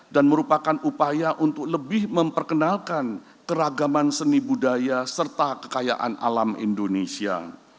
dan merupakan upaya untuk lebih memperkenalkan keragaman seni budaya serta kekayaan alam indonesia